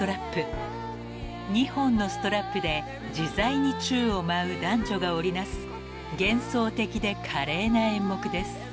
［２本のストラップで自在に宙を舞う男女が織り成す幻想的で華麗な演目です］